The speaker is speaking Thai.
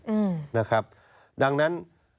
อืมนะครับดังนั้น